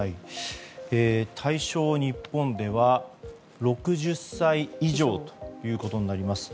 対象、日本では６０歳以上となります。